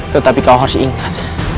tetapi kau harus ingat